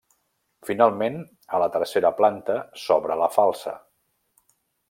Finalment, a la tercera planta s'obre la falsa.